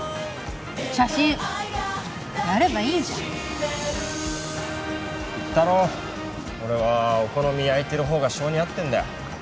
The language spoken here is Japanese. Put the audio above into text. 写真やればいいじゃん言ったろ俺はお好み焼いてるほうが性に合ってんだよ